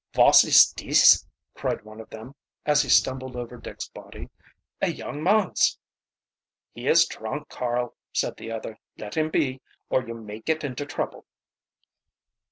"Vas ist dis!" cried one of them, as he stumbled over Dick's body. "A young mans!" "He is drunk, Carl," said the other. "Let him be or you may get into trouble."